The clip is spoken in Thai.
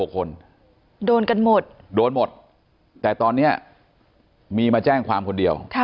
คนโดนกันหมดโดนหมดแต่ตอนนี้มีมาแจ้งความคนเดียว